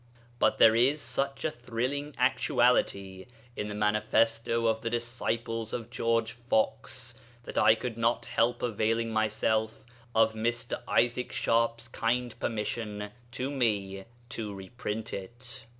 But there is such a thrilling actuality in the Manifesto of the Disciples of George Fox that I could not help availing myself of Mr. Isaac Sharp's kind permission to me to reprint it.